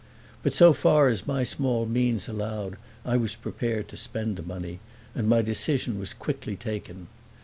But so far as my small means allowed I was prepared to spend money, and my decision was quickly taken.